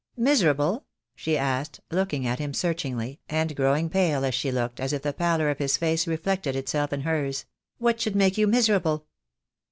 "Miserable!" she asked, looking at him searchingly, and growing pale as she looked, as if the pallor of his face reflected itself in hers, "what should make you miserable?"